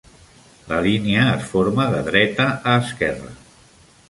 La línia es forma de dreta a esquerra.